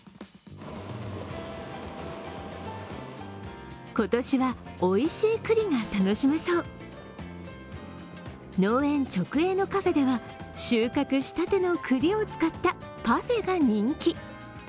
さらに今年は、おいしい栗が楽しめそう農園直営のカフェでは収穫したての栗を使ったパフェが人気。